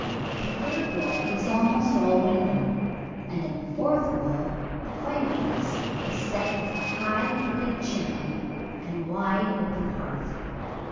The third wall was almost all window, and in the fourth wall the fireplace was set with a high hooded chimney and wide, open hearth.